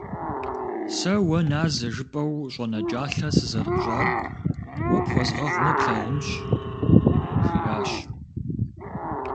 «Сэ уэ назэ жыпӏэу щӏэнэкӏалъэ сызэрыпщӏар уэ пхуэзгъэгъумэ плъагъунщ», — жиӏащ.